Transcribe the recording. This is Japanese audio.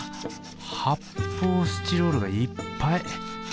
発泡スチロールがいっぱい。